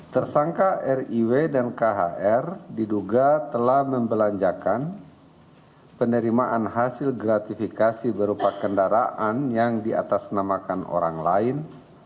tersangka riw dan khr diduga telah membelanjakan penerimaan hasil gratifikasi berupa kendaraan yang diatasnamakan orang lain